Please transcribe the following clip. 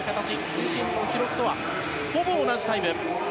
自身の記録とはほぼ同じタイム。